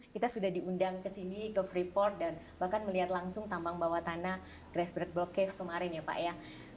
kita sudah diundang ke sini ke freeport dan bahkan melihat langsung tambang bawah tanah grass bread block cave kemarin ya pak ya